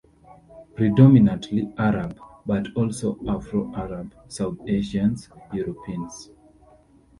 Predominantly Arab; but also Afro-Arab, South Asians, Europeans.